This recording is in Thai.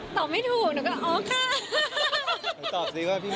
สุด